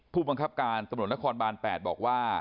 ผู้บังคับการตำรวจนครบาน๘บอกว่า